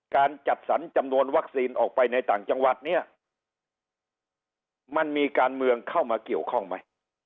การจัดสรรจำนวนวัคซีนออกไปในต่างจังหวัดเนี่ยมันมีการเมืองเข้ามาเกี่ยวข้องไหม